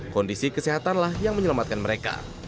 kondisi kesehatanlah yang menyelamatkan mereka